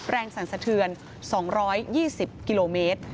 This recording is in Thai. สั่นสะเทือน๒๒๐กิโลเมตร